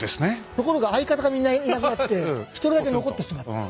ところが相方がみんないなくなって一人だけ残ってしまった。